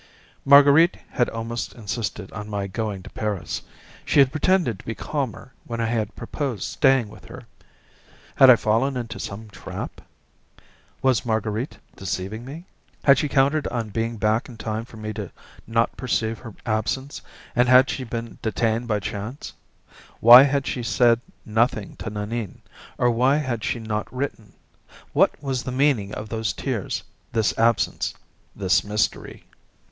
Marguerite had almost insisted on my going to Paris; she had pretended to be calmer when I had proposed staying with her. Had I fallen into some trap? Was Marguerite deceiving me? Had she counted on being back in time for me not to perceive her absence, and had she been detained by chance? Why had she said nothing to Nanine, or why had she not written? What was the meaning of those tears, this absence, this mystery?